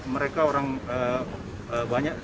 mereka orang banyak